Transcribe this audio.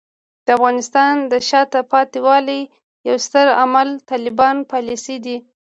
د افغانستان د شاته پاتې والي یو ستر عامل طالبانو پالیسۍ دي.